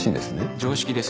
常識です。